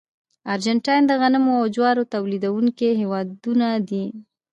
ارجنټاین د غنمو او جوارو تولیدونکي هېوادونه دي.